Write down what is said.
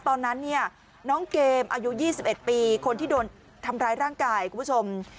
ตอนนั้นเนี่ยน้องเกมอายุ๒๑ปีคนที่โดนทำร้ายร่างกายคุณผู้ชม